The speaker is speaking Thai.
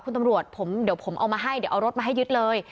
คุณตำรวจผมเดี๋ยวดเลือดมาให้อรุจมาให้ยึดเลย